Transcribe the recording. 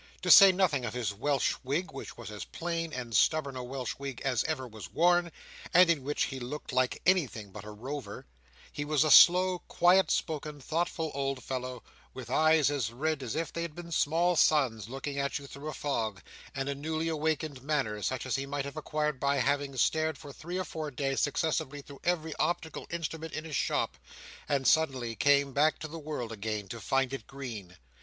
To say nothing of his Welsh wig, which was as plain and stubborn a Welsh wig as ever was worn, and in which he looked like anything but a Rover, he was a slow, quiet spoken, thoughtful old fellow, with eyes as red as if they had been small suns looking at you through a fog; and a newly awakened manner, such as he might have acquired by having stared for three or four days successively through every optical instrument in his shop, and suddenly came back to the world again, to find it green.